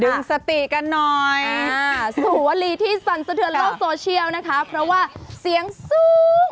สติกันหน่อยอ่าสุวรีที่สั่นสะเทือนโลกโซเชียลนะคะเพราะว่าเสียงสูง